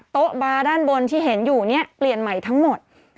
โต๊ะบาร์ด้านบนที่เห็นอยู่เนี่ยเปลี่ยนใหม่ทั้งหมด